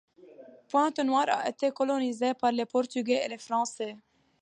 Pointe Noire a été colonisé par les portugais et les français.